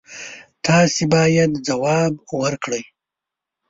تاسو باید ځواب ورکړئ.